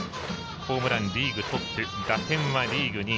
ホームラン、リーグトップ打点はリーグ２位。